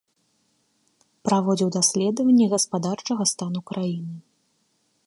Праводзіў даследаванні гаспадарчага стану краіны.